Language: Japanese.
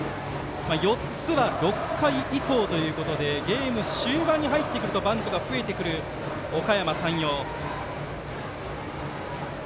４つは６回以降ということでゲーム終盤に入ってくるとバントが増えてくる、おかやま山陽。